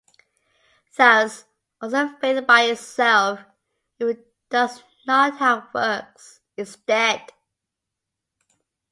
Thus also faith by itself, if it does not have works, is dead.